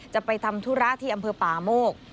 จะไปทำธุระที่อำเภอป่าโมก